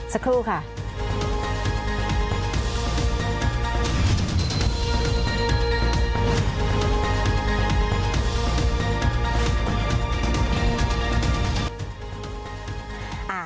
สักครู่ค่ะ